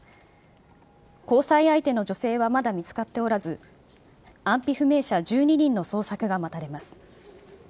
交際相手の女性はまだ見つかっておらず、安否不明者１２人の捜索が待たれます。